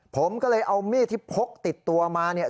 ผมก็เลยเอามีดที่พกติดตัวมาเนี่ย